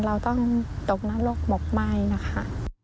เราต้องตกนรกหมกไหม้นะคะ